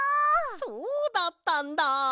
そうだったんだ！